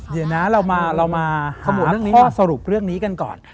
เดี๋ยวนะเรามาสรุปเรื่องนี้กันก่อน